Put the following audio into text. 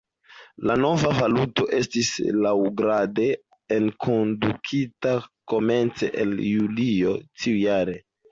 La nova valuto estis laŭgrade enkondukita komence el Julio tiujare.